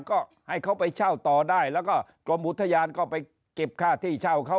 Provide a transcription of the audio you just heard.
ก็ให้เขาไปเช่าต่อได้แล้วก็กรมอุทยานก็ไปเก็บค่าที่เช่าเขา